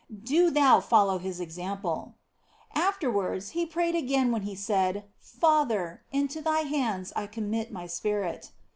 Do thou follow His example. Afterwards He prayed again when He said, " Father, into Thy hands I commit My spirit."